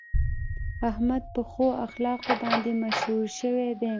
احمد په ښو اخلاقو باندې مشهور شوی دی.